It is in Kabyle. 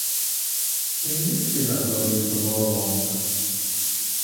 Imi-s si lehdur yettɣurrun.